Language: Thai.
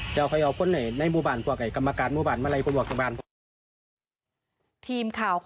ทีมข่าวของเขา